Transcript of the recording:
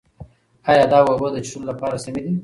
ایا دا اوبه د څښلو لپاره سمې دي؟